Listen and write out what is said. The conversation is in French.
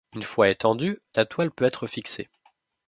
Une fois étendue, la toile peut être fixée.